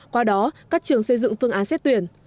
qua đó các trường xây dựng phương án xét tuyển